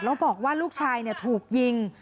แล้วบอกว่าลูกชายถูกยิง